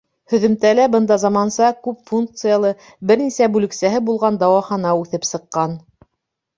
Һөҙөмтәлә бында заманса, күп функциялы, бер нисә бүлексәһе булған дауахана үҫеп сыҡҡан.